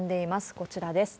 こちらです。